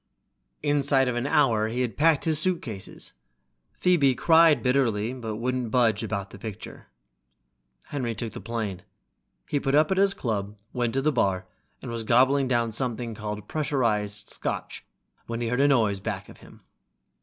Inside of an hour he had packed his suitcases. Phoebe cried bitterly, but wouldn't budge about the picture. Henry took the plane. He put up at his club, went to the bar, and was gobbling down something called pressurized scotch, when he heard a noise back of him.